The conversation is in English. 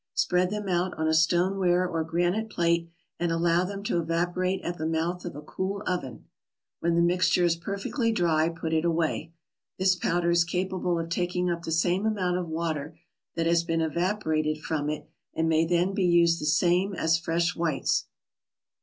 Spread them out on a stoneware or granite plate and allow them to evaporate at the mouth of a cool oven. When the mixture is perfectly dry, put it away. This powder is capable of taking up the same amount of water that has been evaporated from it, and may then be used the same as fresh whites.